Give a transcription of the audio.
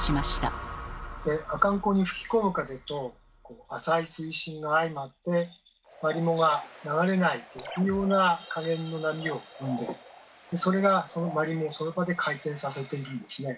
阿寒湖に吹き込む風と浅い水深が相まってマリモが流れない絶妙な加減の波を生んでそれがマリモをその場で回転させているんですね。